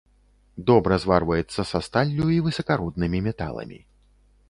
Добра зварваецца са сталлю і высакароднымі металамі.